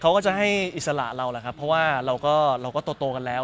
เขาก็จะให้อิสระเราเพราะว่าเราก็โตกันแล้ว